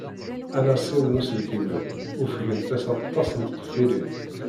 Anasiw n uselkim-iw ufgent-as aṭṭas n tqeffilin.